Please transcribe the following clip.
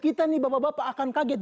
kita nih bapak bapak akan kaget